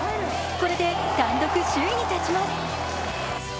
これで単独首位に立ちます。